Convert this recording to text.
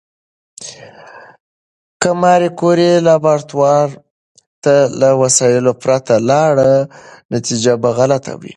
که ماري کوري لابراتوار ته له وسایلو پرته لاړه، نتیجه به غلطه وي.